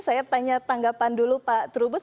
saya tanya tanggapan dulu pak trubus